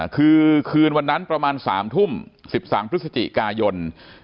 คือคืนวันนั้นประมาณ๓ทุ่ม๑๓พฤศจิกายน